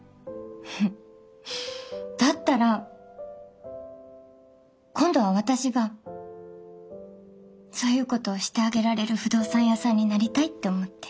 だったら今度は私がそういうことをしてあげられる不動産屋さんになりたいって思って。